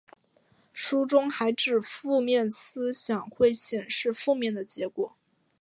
书中还指负面思想会显示负面的结果。